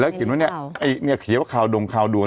เขียนว่าเนี่ยไอ้เนี่ยเขียนว่าข่าวดงข่าวด่วน